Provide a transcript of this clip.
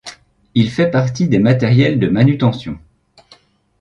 Il fait partie des matériels de manutention.